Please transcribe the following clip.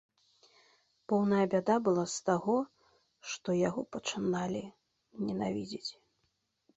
Поўная бяда была з таго, што яго пачыналі ненавідзець.